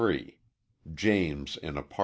James in Apt.